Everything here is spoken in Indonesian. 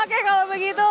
oke kalau begitu